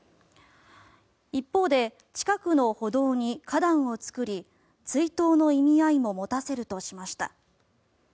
一方で近くの歩道に花壇を作り追悼の意味合いも持たせるとしました。